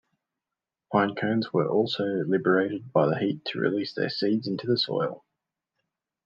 Pinecones were also liberated by the heat to release their seeds into the soil.